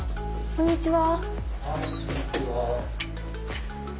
こんにちは。